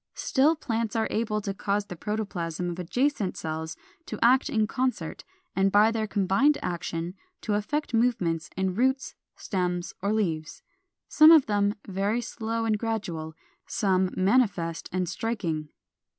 Still plants are able to cause the protoplasm of adjacent cells to act in concert, and by their combined action to effect movements in roots, stems, or leaves, some of them very slow and gradual, some manifest and striking.